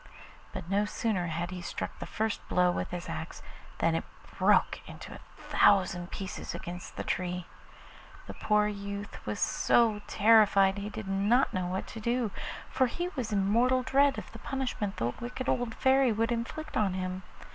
But no sooner had he struck the first blow with his axe than it broke into a thousand pieces against the tree. The poor youth was so terrified he did not know what to do, for he was in mortal dread of the punishment the wicked old Fairy would inflict on him.